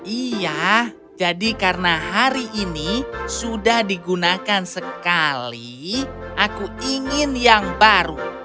iya jadi karena hari ini sudah digunakan sekali aku ingin yang baru